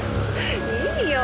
いいよ。